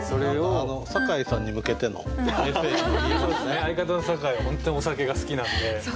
相方の酒井は本当にお酒が好きなんで。